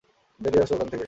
বেড়িয়ে আসো ওখান থেকে।